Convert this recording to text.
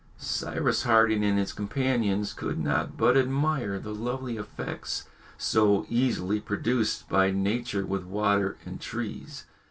Cyrus Harding and his companions could not but admire the lovely effects so easily produced by nature with water and trees.